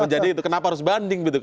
menjadi itu kenapa harus banding gitu